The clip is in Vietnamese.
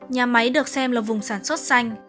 nhà máy được xem là vùng sản xuất xanh